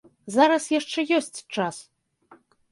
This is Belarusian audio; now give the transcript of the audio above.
Зараз яшчэ ёсць час.